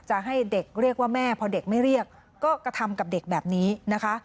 จะให้เด็กเรียกว่าแม่พอเด็กไม่เรียกก็กระทำกับเด็กแบบนี้นะคะ